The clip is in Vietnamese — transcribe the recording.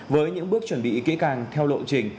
với những bước chuẩn bị kỹ càng theo lộ trình